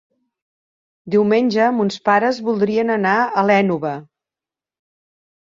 Diumenge mons pares voldrien anar a l'Énova.